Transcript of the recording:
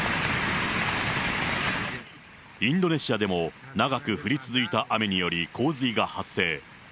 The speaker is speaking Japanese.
インドネシアでも、長く降り続いた雨により、洪水が発生。